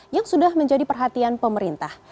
yang sudah menjadi perhatian pemerintah